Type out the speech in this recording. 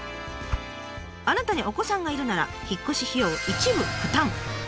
あなたにお子さんがいるなら引越し費用一部負担。